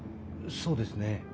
そうですね。